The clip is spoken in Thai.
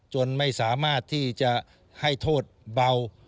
จนไม่สามารถที่จะให้โทษเบา